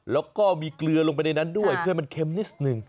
แล้วก็มีเกลือลงไปในนั้นด้วยเพื่อให้มันเค็มนิดหนึ่ง